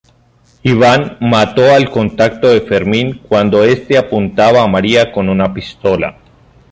Iván mató al contacto de Fermín cuando este apuntaba a María con una pistola.